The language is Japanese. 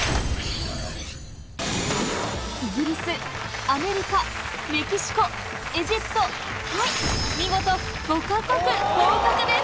イギリス、アメリカ、メキシコ、エジプト、タイ、見事５か国合格です。